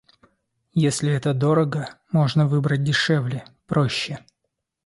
Если это дорого — можно выбрать дешевле, проще.